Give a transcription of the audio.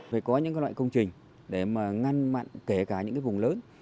phải có những loại công trình để mà ngăn mặn kể cả những cái vùng lớn